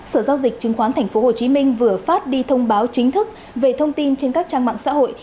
sở giao dịch chứng khoán tp hcm vừa phát đi thông báo chính thức về thông tin trên các trang mạng xã hội